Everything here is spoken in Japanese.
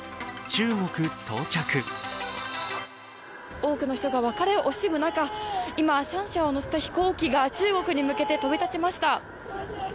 多くの人が別れを惜しむ中、今、シャンシャンを乗せた飛行機が中国に向けて飛び立ちました。